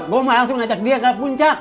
gue mau langsung ngajak dia ke puncak